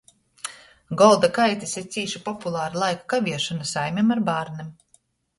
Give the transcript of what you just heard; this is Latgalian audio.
Golda kaitys ir cīši populara laika kaviešona saimem ar bārnim.